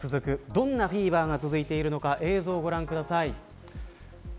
どんなフィーバーが続いているのか映像をご覧ください。